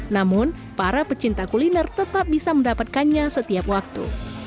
namun para pecinta kuliner tetap bisa mendapatkannya setiap waktu